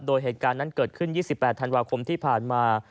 โดยเหตุการณ์นั้นเกิดขึ้น๒๘ธันวาคมที่ผ่านมา